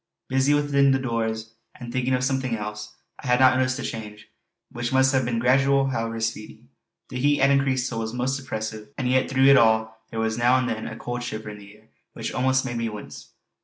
Busy within doors and thinking of something else, I had not noticed the change, which must have been gradual however speedy. The heat had increased till it was most oppressive; and yet through it all there was now and then a cold shiver in the air which almost made me wince.